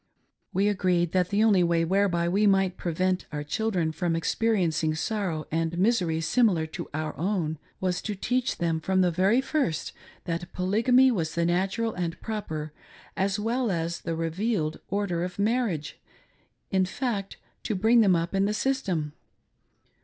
W© agreed that the only way whereby we might prevent our chil dren from experiencing sorrow and misery similar to our. own, was to teach them from the very first that Polygamy was the natural and proper, as well as the revealed, order of marriage — ih fact to " bring them up" in the system.